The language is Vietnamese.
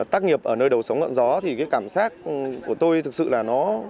tác nghiệp ở nơi đầu sóng ngọn gió thì cái cảm giác của tôi thực sự là nó khó tả lắm